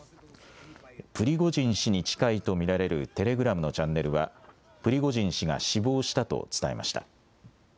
プリゴジン氏に近いと見られるテレグラムのチャンネルはプリゴジン氏が死亡したと伝えました。